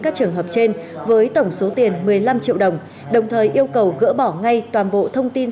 các trường hợp trên với tổng số tiền một mươi năm triệu đồng đồng thời yêu cầu gỡ bỏ ngay toàn bộ thông tin